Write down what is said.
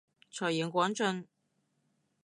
財源廣進